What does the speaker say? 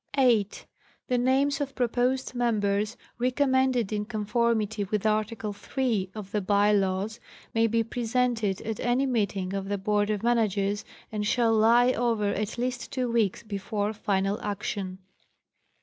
8.—The names of proposed members, recommended in con formity with Article III of the By Laws, may be presented at any meeting of the Board of Managers and shall lie over at least two weeks before final action.